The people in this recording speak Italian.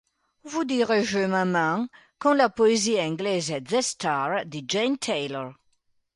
Vous dirai-je, Maman" con la poesia inglese "The Star" di Jane Taylor.